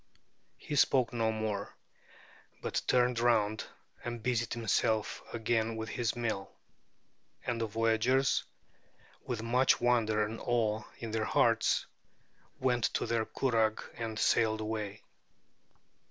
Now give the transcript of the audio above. He spoke no more, but turned round and busied himself again with his mill. And the voyagers, with much wonder and awe in their hearts, went to their curragh and sailed away.